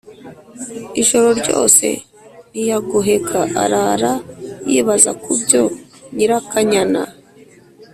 Ijoro ryose ntiyagoheka arara yibaza ku byo Nyirakanyana